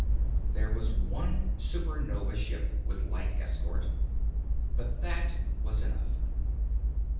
There was one Supernova ship with light escort, but that was enough.